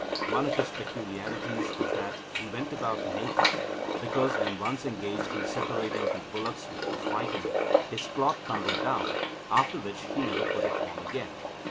One of his peculiarities was that he went about naked, because, when once engaged in separating two bullocks which were fighting, his cloth tumbled down, after which he never put it on again.